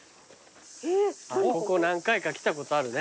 ここ何回か来たことあるね。